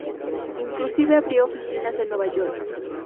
Inclusive abrió oficinas en Nueva York.